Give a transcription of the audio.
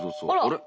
あれ？